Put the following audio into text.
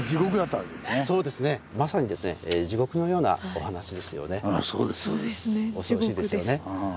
まさに地獄のようなお話ですよね。